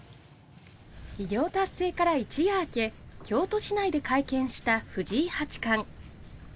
偉業達成から一夜明け京都市内で会見した藤井八冠。